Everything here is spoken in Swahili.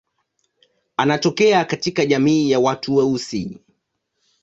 Anatokea katika jamii ya watu weusi.